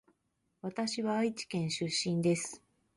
わたしは愛知県出身です